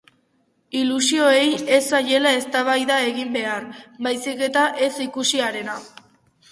Ilusioei ez zaiela eztabaida egin behar, baizik eta ez ikusiarena.